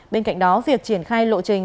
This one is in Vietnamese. bên cạnh đó việc triển khai lộ trình